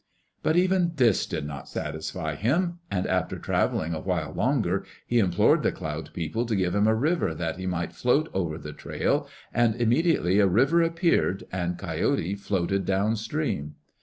But even this did not satisfy him, and after travelling a while longer he implored the Cloud People to give him a river that he might float over the trail, and immediately a river appeared and Coyote floated down stream.